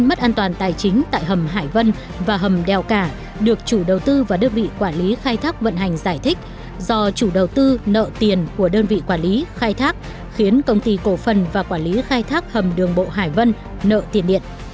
mất an toàn tài chính tại hầm hải vân và hầm đèo cả được chủ đầu tư và đơn vị quản lý khai thác vận hành giải thích do chủ đầu tư nợ tiền của đơn vị quản lý khai thác khiến công ty cổ phần và quản lý khai thác hầm đường bộ hải vân nợ tiền điện